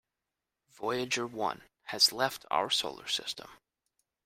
Voyager One has left our solar system.